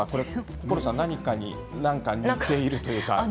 心さん何かに似ているというか。